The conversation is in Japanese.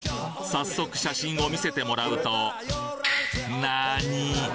早速写真を見せてもらうとなに！？